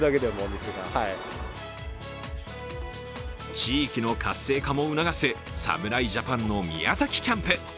地域の活性化も促す侍ジャパンの宮崎キャンプ。